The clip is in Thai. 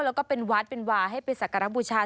แล้วก็เป็นวัดเป็นวาให้ไปสักการะบูชา